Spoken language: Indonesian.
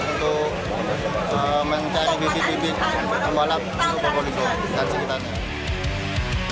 untuk mencari bibir bibir pembalap di probolinggo